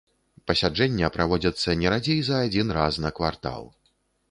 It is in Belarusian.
Пасяджэння праводзяцца не радзей за адзін раз на квартал.